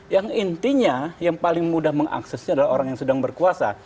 yang intinya yang paling mudah mengaksesnya adalah orang yang sedang berkuasa